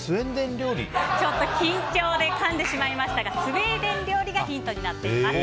緊張でかんでしまいましたがスウェーデン料理がヒントになっています。